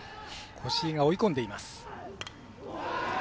越井が追い込んでいます。